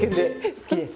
好きです。